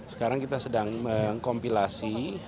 sekarang kita sedang mengkompilasi hasil studi kajian ekonominya